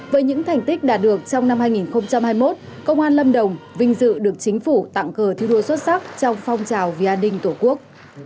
với những thành tích đạt được trong năm hai nghìn hai mươi một công an lâm đồng vinh dự được chính phủ tặng cờ thi đua xuất sắc trong phong trào vì an ninh tổ quốc